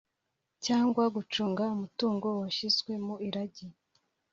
Cyangwa gucunga umutungo washyizwe mu irage